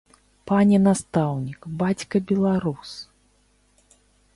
Пане настаўнік, бацька беларус!